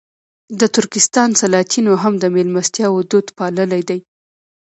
د ترکستان سلاطینو هم د مېلمستیاوو دود پاللی دی.